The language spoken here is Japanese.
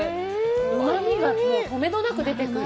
うまみがとめどなく出てくる。